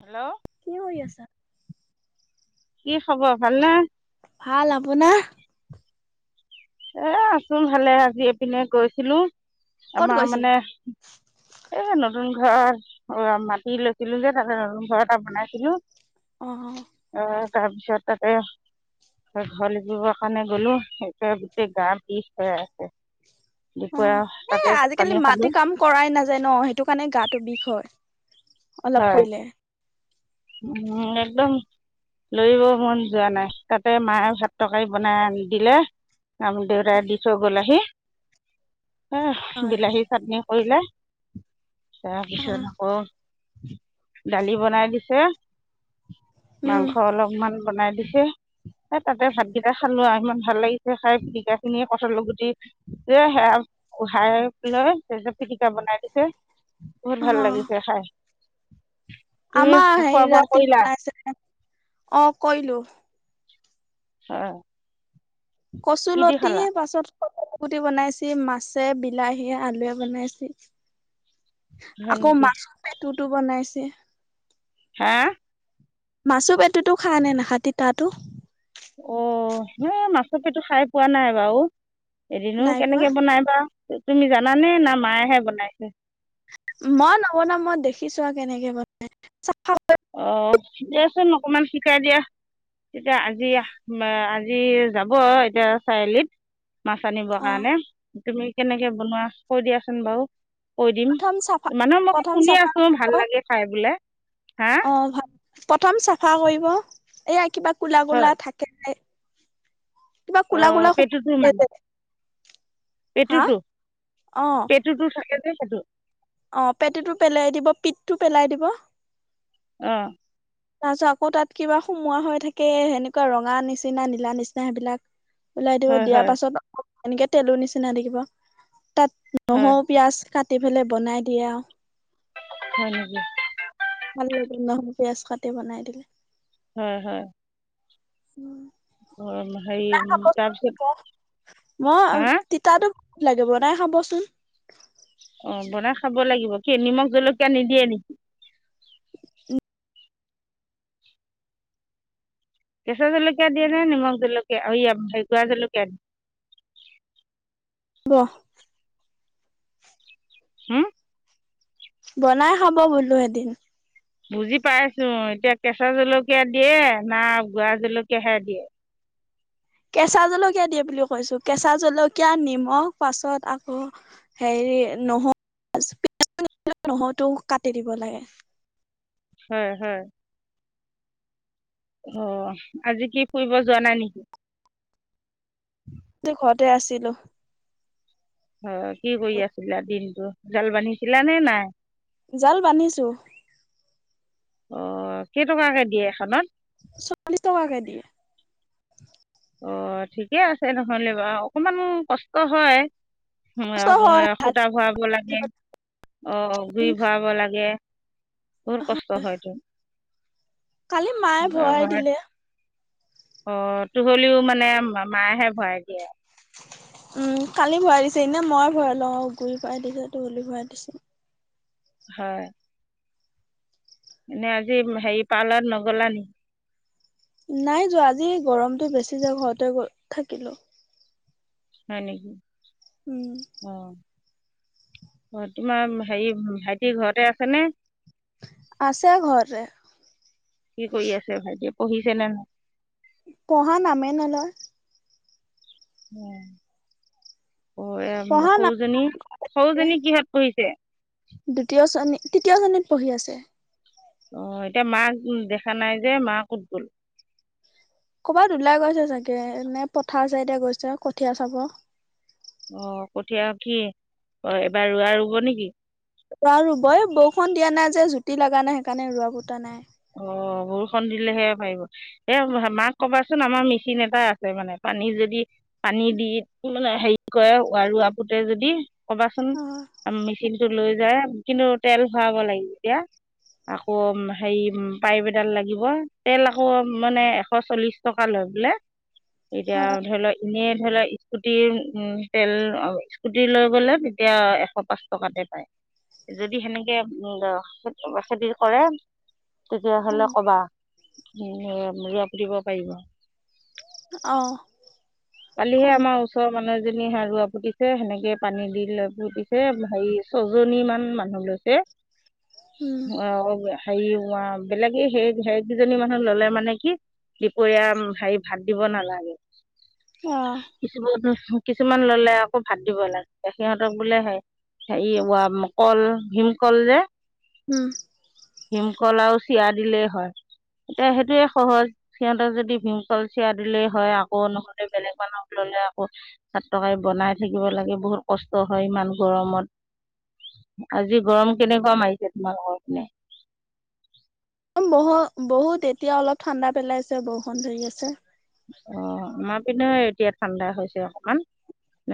Hello! কি কৰি আছা? কি খবৰ ভালনে? ভাল। আপোনাৰ? এ আছো ভালে আজি এইপিনে গৈছিলোঁ ক'ত আমাৰ মানে গৈছিলা? এই নতুন ঘৰ অ' মাটি লৈছিলোঁ যে তাতে নতুন ঘৰ এটা বনাইছিলোঁ অ', এ তাৰপিছত তাতে এ ঘৰ লিপিব কাৰণে গ'লো সেই গোটেই গা বিষ হৈ আছে দুপৰীয়া অ', এ তাতে ভাত আজিকালি পানী মাটি খালো। কাম কৰাই নাযায় ন' সেইটো কাৰণে গাটো বিষ হয়। অলপ হয় কৰিলে উম, একদম লৰিব মন যোৱা নাই তাতে মায়ে ভাত তৰকাৰি বনাই আনি দিলে আম দেউতাই দি থৈ গ'ল আহি অহ, হয় বিলাহীৰ চাটনি কৰিলে অ', তাৰপিছত আকৌ দালি বনাই দিছে, উম, মাংস অলপমান বনাই দিছে এ তাতে ভাতকেইটা খালোঁ আৰ ইমান ভাল লাগিছে খাই পিটিকা খিনি কঠলৰ গুটি এয়া সেয়া উহাই পেলাই এই যে পিটিকা বনাই দিছে। বহুত ভাল অ', লাগিছে খাই। তুমি আমাৰ খোৱা হেৰি বোৱা ৰাতি কৰিলা বনাইছে [unintelligible] অ' কৈলো। অ', কচুলতিহে পাছত গোটে বনাইছি মাছে বিলাহীয়ে আলুৱে বনাইছি হয় আকৌ নেকি মাছৰ পেটুটো বনাইছে। হা? মাছো পেতুটো খা নে নাখা তিতাটো? অ' মই এ মাছৰ পেটু খাই পোৱা নাই বাৰু এদিনো নাই পোৱা কেনেকে বনাই বা? তুমি জানে নে না মায়হে বনাইছে? মই নবনাওঁ মই দেখিছোহে কেনেকে বনাই [unintelligible] অ'দিয়াচোন অকমান শিকাই দিয়া তেতিয়া আজি [unintelligible] আজি যাব এতিয়া চাৰিআলিত মাছ আনিব অ', কাৰণে তুমি কেনেকে বনুৱা কৈ দিয়াচোন বাৰু? কৈ দিম প্ৰথম চাফা মানে মই প্ৰথম শুনি চাফা আছোঁ কৰিব ভাল লাগে খাই বোলে হা? অ, ভাল প্ৰথম চাফা কৰিব এইয়া কিবা কোলা, হয় কোলা থাকে যে কিবা কোলা, অঁ কোলা সোম পেটুটো মানে [unintelligible] হা, পেটুটো অ'। পেটুটো থাকে যে সেইটো? অ' পেটুটো পেলাই দিব, পিতটো পেলাই দিব। অ', তাৰপিছত আকৌ তাত কিবা সোমোৱা হৈ থাকে সেনেকোৱা ৰঙা নিচিনা, নীলা নিচিনা সেইবিলাক উলাই দিব হয় দিয়া হয় পাছত আকৌ এনেকে তেলো নিচিনা দেখিব তাত হয় নহও, পিয়াঁজ কাটি ফেলে বনাই দিয়ে আও হয় নেকি? ভাল লাগে নহ পিয়াজ কাটি বনাই দিলে। হয়, হয়। উম, গৰম হেৰি উম, তাৰপিছত হা? তাতো [unintelligible] বনাই খাবচোন। অ'বনাই খাব লাগিব কি নিমখ, জলকীয়া নিদিয়ে নেকি? [inaudible] কেঁচা জলকীয়া দিয়ে নে নিমখ জলকীয়া [unintelligible] জলকীয়া ৱ। [unintelligible] হুম, বনাই খাব বোলো এদিন। বুজি পাইছো এতিয়া কেঁচা জলকীয়া দিয়ে না গুৰা জলকীয়াহে দিয়ে। কেঁচা জলকীয়া দিয়ে বুলি কৈছো কেঁচা জলকীয়া নিমখ পাছত আকৌ হেৰি [unintelligible] নহৰুটো কাটি দিব লাগে। হয়, হয়। অ' আজি কি ফুৰিব যোৱা নাই নেকি? তে ঘৰতে আছিলো। অ' কি কৰি আছিলা দিনটো জাল বান্ধিছিলা নে নাই? জাল বান্ধিছো। অ'কেইটকাকে দিয়ে এখনত? চল্লিস টকাকে দিয়ে। অ' ঠিকে আছে নহলে বাৰু অকমান কষ্ট হয় মই, কষ্ট মই হয় সূতা ভৰাব লাগে অ' গৰি ভৰাব লাগেৰুই উম ভৰাব লাগে। বহুত কষ্ট হয়তো। কালি মায়ে ভৰাই [unintelligible] দিলে অ', তু হলিও মানে মায়েহে ভৰাই দিয়ে। উম, কালি ভৰাই দিছে এনে মই ভৰাই লওঁ ঘূৰি ভৰাই দিছো ত গলি ভৰাই দিছো। [unintelligible] হয়। এনে আজি হেৰি পাৰ্লাৰত নগলানি? নাই যোৱা আজি গৰমটো বেছি যে ঘৰতে থাকিলো। হয় নেকি? উম, অ'অ' তোমাৰ হেৰি ভাইটি ঘৰতে আছেনে? আছে ঘৰতে। কি কৰি আছে ভাইটি পঢ়িছে নে নাই? পঢ়া নামে নলয়। অ'অ' এ পঢ়া নাম সৰুজনী, সৰুজনী কিহত পঢ়িছে? দ্বিতীয় শ্ৰেণী, তৃতীয় শ্ৰেণীত পঢ়ি আছে। অ' এতিয়া মাক দেখা নাই যে মা কত গ'ল। ক'ৰবাত ওলাই গৈছে চাগে এনে পথাৰ চাইডে গৈছে কঠীয়া চাব। অ' কঠীয়া কি অ' এবাৰ ৰোৱা ৰুব নেকি? ৰোৱা ৰুব এই বৰষুন দিয়া নাই যে জুতি লাগা নাই সেইকাৰণে ৰোৱা বুতা নাই। অ' বৰষুন দিলেহে পাৰিব। এ মাক কবাচোন আমাৰ মিটিং এটা আছে মানে পানী যদি পানী দি মানে হেৰি কৰে আৰু আপোতে যদি কবাচোন। অ মেচিন টো লৈ যায় কিন্তু তেল ভৰাব লাগি এতিয়া আকৌ হেৰি উম, পাইপ এডাল লাগিব তেল আকৌ মানে এশ চল্লিশ টকা লয় বোলে। এতিয়া হয় ধৰি লওক এনেই ধৰি লওক স্কুটিৰ তেল স্কুটি লৈ গ'লে তেতিয়া এশ পাঁচ টকাতে পায় যদি সেনেকে উম, খেতি কৰে। তেতিয়া হলে [unintelligible] দিব পাৰিব। অ', কালিহে কম আমাৰ ওচৰ মানুহজনী সাৰুৱা পুতিছে সেনেকে পানী দি লৈ পুতিছে হেৰি ছজনী মান মানুহ লৈ। উম [unintelligible] হেৰি বেলেগে সেই সেইগিজনী মানুহ ললে মানে কি- দুপৰীয়া হেৰি ভাত দিব নালাগে। অঁ'। কিছু কিছুমান ললে আকৌ ভাত দিব লাগে, সিহঁতক বোলে হে- হেৰী ৱা কল ভীমকল যে- হুম। ভীমকল আৰু চিৰা দিলেই হয়। দে সেইটোয়ে সহজ, সিহঁতক যদি ভীমকল চিৰা দিলেই হয়, আকৌ নহ- লে বেলেগ মানুহক ললে আকৌ- হাতটকাৰ বনাই থাকিব লাগে, বহুত কষ্ট হয় ইমান গৰমত। আজি গৰম কেনেকুৱা মাৰিছে তোমালোকৰ পিনে? অম বহু বহুত এতিয়া অলপ ঠাণ্ডা পেলাইছে বৰষুণ ধৰি আছে। অঁ আমাৰ পিনে এতিয়া ঠাণ্ডা হৈছে অকমান।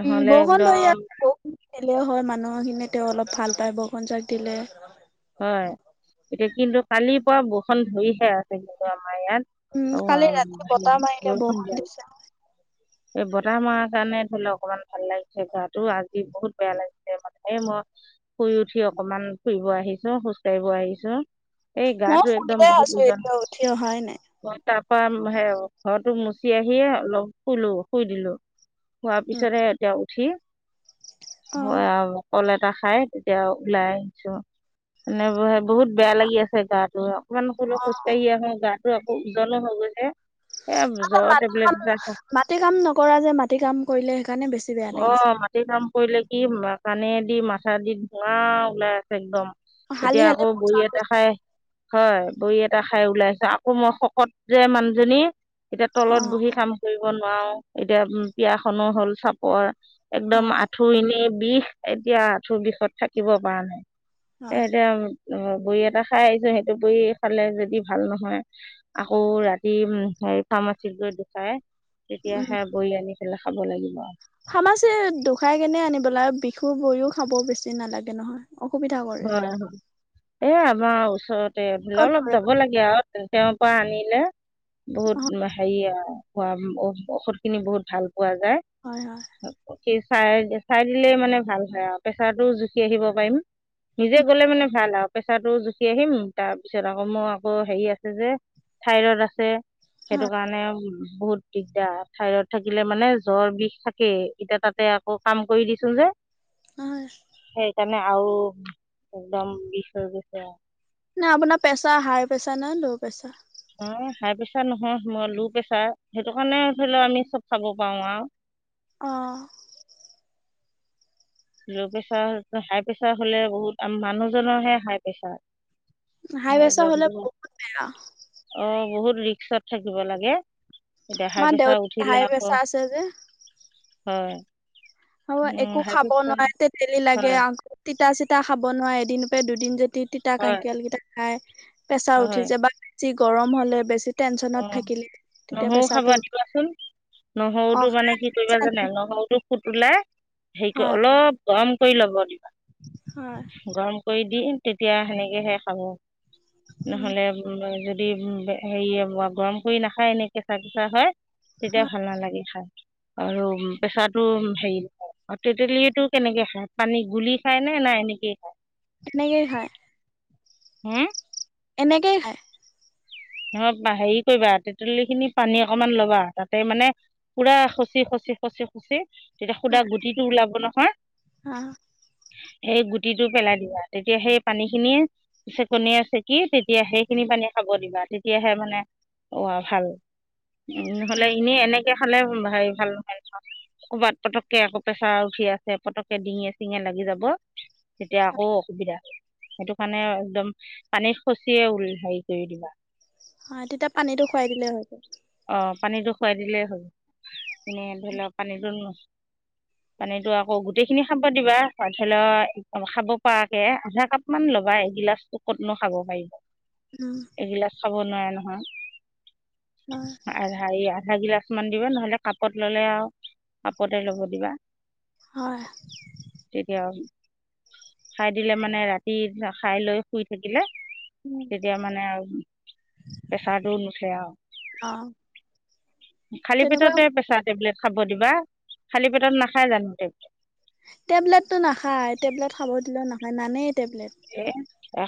উম' বৰষুণ ধৰ ইয়াত বৰষুণ দিলেও হয়, মানুহৰ খিনি তেওঁ অলপ ভাল পায় বৰষুণ জাক দিলে। হয়, এতিয়া কিন্তু কালিৰ পৰা বৰষুণ ধৰিহে আছে কিন্তু আমাৰ উম ইয়াত। অও কালি ৰাতি আমা পিনে বতাহ মাৰিলে বৰষুণ দিয়া নাই। দিছে। এই বতাহ মৰাৰ কাৰণে ধৰি ল অকমান ভাল লাগিছে গাটো আজি বহুত বেয়া লাগিছে মানে মো- শুই উঠি অকমান ফুৰিব আহিছো খোজ কঢ়িব আহিছো। এই মই গাটো একদম শুনিয়ে বহুত আছো ওজন। এতিয়া উঠি অহাই নাই ক তাৰ পৰা সে ঘৰটো মুচি আহিয়ে অলপ শুলো শুই দিলো। শুৱাৰ উম পিছতে এতিয়া উঠি অ। হয় আৰু। কল এটা খাই তেতিয়া ওলাই আহিছো, এনে বহুত বেয়া লাগি আছে গাটো। অকমানহলেও খোজ কঢ়ি আহোঁ গাটো আকৌ ওজনো হৈ গৈছে। এই অ মই জ্বৰ মাটি টেবলেট এটা খা কাম মাটি কাম নকৰা যে মাটি কাম কৰিলে সেইকাৰণে বে- অঁ মাটি কাম কৰিলে কি কাণে দি মাথা দি ধোঙা ওলাই। একদম, হালি এতিয়া হালি আকৌ বহী মোচা এটা গৈছে খাই- হয়, বহী এটা খাই ওলাইছো, আকৌ মই শকত যে মানুহজনী এতিয়া অ তলত বহি কাম- কৰিব নোৱাৰো, এতিয়া পিয়াখনো হল চাপৰ একদম হয় আঠ- ঠু এনেই বিষ, এতিয়া আঁঠুৰ বিষত থাকিব পৰা নাই। সে হয় এতিয়া- অঁ বৰি এটা খাই আহিছো, সেইটো বৰি খালে যদি ভাল নহয়- আকৌ ৰাতি উম হেৰি ফাৰ্মাচিত গৈ দুটাই- তেতিয়াহে বৰি আনি পেলাই খাব লাগিব আও। ফাৰ্মাছিত দুখাই কিনে আনিব লাগে বিষু বৰিও খাব বেছি নালাগে নহয়। অসুবিধা কৰে হয়, এ আমাৰ ওচৰতে এফাল ক'ত অলপ ধৰে যাব লাগ- গে আও তেওঁৰ পৰা আনিলে অ বহুত হেৰি আৰু। খোৱা ঔষধ খিনি বহুত ভাল পোৱা যায়। হয় হয়। সি চাই চাই দিলে মানে ভাল হয় আৰু প্ৰেছাৰটোও জুখি আহিব পাৰিম। নিজে গ'লে মানে ভাল আও। প্ৰেছাৰটো জুখি আহিম, তাৰপিছত আকৌ মোৰ আকৌ হেৰি আছে যে থাইৰড আছে- সেইটো হয় কাৰণে বহুত- দিগদা। ঠাইৰত থাকিলে মানে জ্বৰ বিষ থাকেই, এতিয়া তাতে আকৌ কাম কৰি দিছো যে। হয়। সেইকাৰণে আৰু একদম বিষ হৈ গৈছে আও। না আপোনাৰ পেছা হাই পেছা না ল' পেছা? এ হাই প্ৰেচাৰ নহয় মই ল' প্ৰেচাৰ সেইটো কাৰণে ধৰিল আমি চব খাব পাৰো আও। অ। ল' প্ৰেছাৰ হাই প্ৰেছাৰ হলে বহুত আম মানুহজনৰহে হাই প্ৰেছাৰ। হাই সেই প্ৰেছাৰ যম হ'লে বোৰ। বহুত বেয়া অ বহুত ৰিক্সত থাকিব লাগে। এতিয়া আমাৰ হাইপ্ৰেচা দেউতা উঠিলে হাই আকৌ, প্ৰেছাৰ আছে যে হয়। হয় উম, একো খাব হাইব্ৰীড নোৱাৰে তেতেলী লাগে, হয় আকৌ তিতা-চিতা খাব নোৱাৰে এদিন পে দুদিন যেতি - তিতা হয় কায়েংকিয়াল কেইটা খাই, প্ৰেছাৰ উঠি হয় যাব বেছি গৰম হলে বেছি - টেনচনত অঁ থাকিলে তেতিয়া নহৰু খাব প্ৰেছাৰটো উঠি যায়। দিবাচোন নহৰুটো মানে কি কৰিবা জানে নহৰুটো - ফুত ওলাই হেৰি কৰি হয় অলপ গৰম কৰি লব দিবা। হয়। গৰম কৰি দি তেতিয়া সেনেকেহে খাব। উম নহলে য দি হেৰি গৰম কৰি নাখায় এনে কেঁচা কেঁচা হয়, তেতিয়া হয় ভাল নালাগে খাই। আৰু প্ৰেছাৰটো হেৰি নহয়। অ' তেতেলীটো কেনেকে খায় পানী গুলি খাই নে না এনেকেই খায়? তেনেকেই খায়। হু? এনেকেই খাই। অ' হেৰি কৰিবা তেতেলী খিনি পানী অকমান ল'বা, তাতে মানে - পুৰা খচি খচি খচি খচি তেতিয়া সুদা হয় গুটিটো ওলাব নহয় - হয় সেই গুটিটো পেলাই দিবা। তেতিয়া সেই পানী খিনি - ছেকনিয়ে ছেকি তেতিয়া সেইখিনি পানীয়ে খাব দিবা। তেতিয়াহে মানে অ'ৱা ভাল। উম নহ'লে হয় এনেই এনে কে খালে হেৰি ভাল নহয়। ক'বাত পতককে আকৌ পেছাৰ উঠি আছে পতককে ডিঙিয়ে চিঙিয়ে লাগি যাব - তেতিয়া আকৌ অসুবিধা হে। সেইটো কাৰণে একদম পানীত খচিয়ে ওল হেৰি কৰি দিবা। হয়, তেতিয়া পানীটো খুৱাই দিলে হৈ গ'ল। অ' পানীটো খুৱাই দিলেই হ'ল। এনেই ধৰিল পানীটো নো - পানীতো আকৌ গোটেইখিনি খাব দিবা। ধৰিল খাব পৰাকে আধা কাপ মান ল'বা এগিলাচ - টো ক'ত নো খাব পাৰিব। উম। এগিলাচ খাব নোৱাৰে নহয়। হয়। আধা সেই আধা গিলাচ মান দিবা, নহলে কাপত ললে আও - কাপতে ল'ব দিবা। হয়। তেতিয়া - খাই দিলে মানে ৰাতি খাই লৈ শুই থাকিলে উম - তেতিয়া মানে আৰু প্ৰেছাৰটো নুঠে আও। অ'। খালী তেনেকুৱা পেটতে প্ৰেছাৰ টেবলেট খাব দিবা। খালী পেটত নাখাই জানো টেবলেট? টেবলেটটো নাখায় টেবলেট খাব দিলেও নাখায় নানেই টেবলেট। এই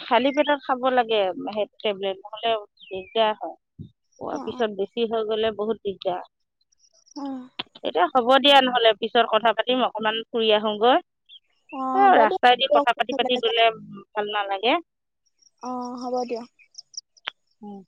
খালি পেটত খাব লাগে সেইটো টেবলেট, নহ'লে দিগদাৰ হয়। অ খোৱাৰ পিছত বেছি হৈ গ'লে বহুত দিগদাৰ। অ'। এতিয়া হ'ব দিয়া নহ'লে পিছত কথা পাতিম, অকনমান ফুৰি আহোগৈ। অ এই হ'ব ৰাস্তাইদি দিয়ক কথা পাতি পাতি গ'লে ভাল নালাগে। অ' হ'ব দিয়ক। উম।